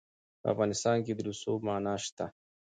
په افغانستان کې د رسوب منابع شته.